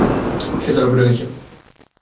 সে ধরা পড়ে গেছে।